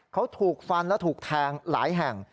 เขาถูกฟันและถูกแทงหลายแห่ง